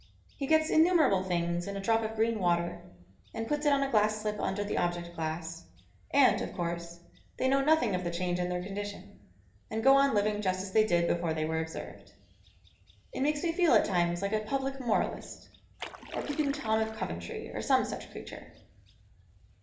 He gets innumerable things in a drop of green water, and puts it on a glass slip under the object glass, and, of course, they know nothing of the change in their condition, and go on living just as they did before they were observed. It makes me feel at times like a public moralist, or Peeping Tom of Coventry, or some such creature.